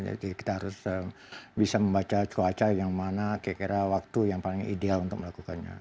jadi kita harus bisa membaca cuaca yang mana kira kira waktu yang paling ideal untuk melakukannya